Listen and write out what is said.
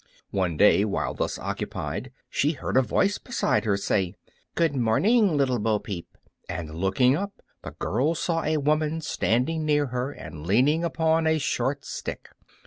One day, while thus occupied, she heard a voice beside her say: "Good morning, Little Bo Peep!" and looking up the girl saw a woman standing near her and leaning upon a short stick.